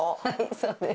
そうです。